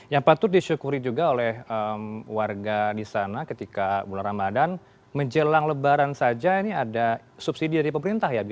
yang patut disyukuri juga oleh warga di sana ketika bulan ramadan menjelang lebaran saja ini ada subsidi dari pemerintah ya